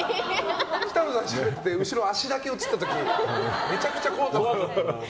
北乃さんの後ろに足だけ映ってた時めちゃくちゃ怖かった。